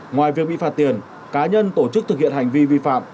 ngoài việc bị phạt tiền cá nhân tổ chức thực hiện hành vi vi phạm